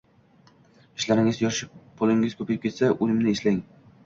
Ishlaringiz yurishib, pulingiz ko‘payib ketsa, o‘limni eslang.